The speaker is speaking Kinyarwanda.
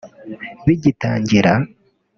Bigitangira